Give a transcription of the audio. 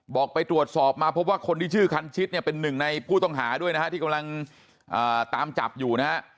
บอกไปตรวจสอบมาแบบว่าคนที่ชื่อครั้งชิดเป็นนึงในกต่องหาด้วยนะที่กำลังตามจับอยู่